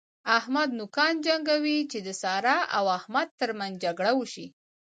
احمد نوکان جنګوي چې د سارا او احمد تر منځ جګړه وشي.